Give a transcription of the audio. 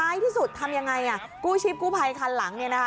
ที่สุดทำยังไงอ่ะกู้ชีพกู้ภัยคันหลังเนี่ยนะคะ